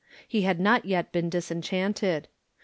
He had not yet been disenchanted.